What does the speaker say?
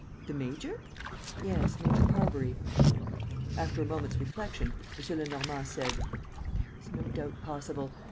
"The major?" "Yes, Major Parbury." After a moment's reflection, M. Lenormand said: "There is no doubt possible.